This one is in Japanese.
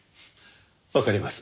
わかります。